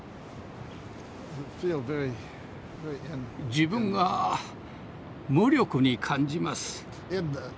自分が無力に感じます。